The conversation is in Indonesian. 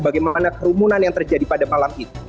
bagaimana kerumunan yang terjadi pada malam itu